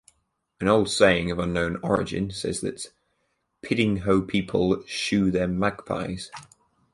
An old saying of unknown origin says that "Piddinghoe people shoe their magpies".